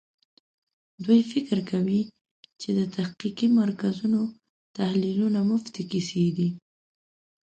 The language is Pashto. دوی فکر کوي چې د تحقیقي مرکزونو تحلیلونه مفتې کیسې دي.